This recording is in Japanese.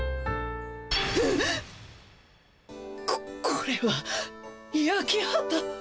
ここれは焼き畑！